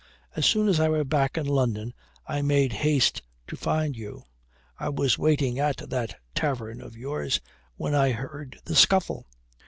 As soon as I was back in London I made haste to find you. I was waiting at that tavern of yours when I heard the scuffle.